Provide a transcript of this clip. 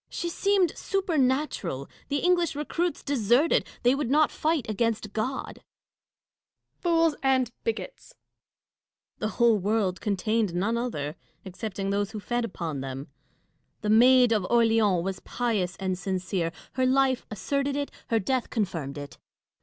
She seemed supernatural : the English recruits deserted ; they would not fight against God. Catharine. Fools and bigots ! Dashkof. The whole world contained none other, except ing those who fed upon them. The Maid of Orleans was pious and sincere : her life asserted it ; her death confirmed it.